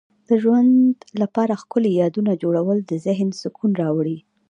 د ژوند لپاره ښکلي یادونه جوړول د ذهن سکون راوړي.